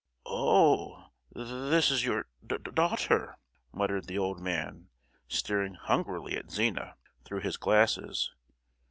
"Oh, th—this is your d—daughter!" muttered the old man, staring hungrily at Zina through his glasses.